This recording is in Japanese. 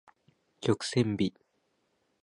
曲線美